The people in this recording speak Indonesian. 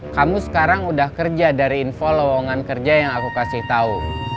kamu sekarang udah kerja dari info lowongan kerja yang aku kasih tahu